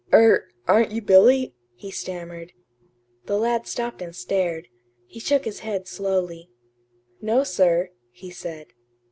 "Er aren't you Billy?" he stammered. The lad stopped and stared. He shook his head slowly. "No, sir," he said.